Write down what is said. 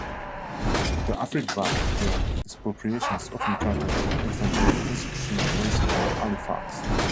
The Africville expropriation is often characterized as an example of institutional racism in Halifax.